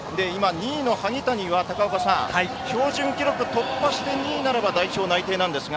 ２位の萩谷は標準記録突破して２位なら代表内定です。